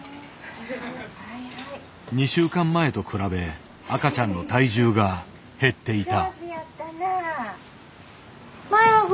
２週間前と比べ赤ちゃんの体重が減っていた。